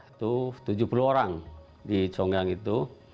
itu tujuh puluh orang di conggang itu